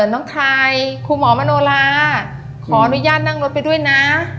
น้องคายครูหมอมโนลาขออนุญาตนั่งรถไปด้วยนะ